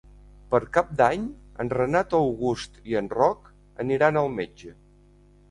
Per Cap d'Any en Renat August i en Roc aniran al metge.